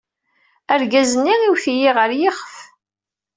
Argaz-nni iwet-iyi ɣer yiɣef.